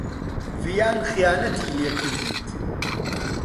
ڤیان خیانەتی لێ کردیت.